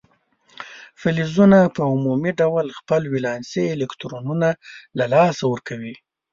فلزونه په عمومي ډول خپل ولانسي الکترونونه له لاسه ورکوي.